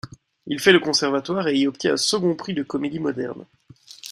Il fait le conservatoire et y obtient un second prix de comédie moderne.